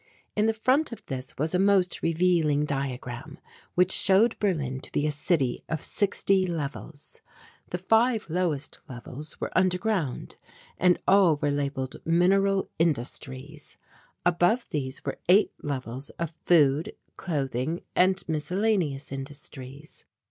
In the front of this was a most revealing diagram which showed Berlin to be a city of sixty levels. The five lowest levels were underground and all were labelled "Mineral Industries." Above these were eight levels of Food, Clothing and Miscellaneous industries.